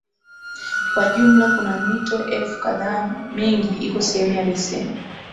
Kwa jumla kuna mito elfu kadhaa Mingi iko sehemu ya beseni